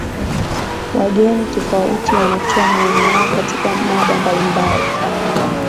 wageni tofauti wanatoa maoni yao katika mada mbalimbali